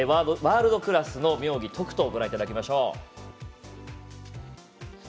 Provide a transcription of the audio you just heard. ワールドクラスの妙技とくとご覧いただきましょう。